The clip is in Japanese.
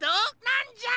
なんじゃ？